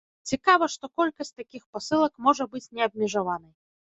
Цікава, што колькасць такіх пасылак можа быць неабмежаванай.